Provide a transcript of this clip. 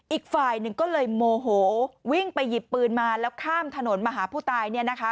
อีกฝ่ายหนึ่งก็เลยโมโหวิ่งไปหยิบปืนมาแล้วข้ามถนนมาหาผู้ตายเนี่ยนะคะ